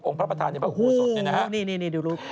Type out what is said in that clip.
องค์พระประธานในประโยชน์สดเนี่ยนะฮะโอ้โฮนี่ดูรูป